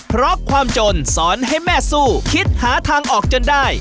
เพราะความจนสอนให้แม่สู้คิดหาทางออกจนได้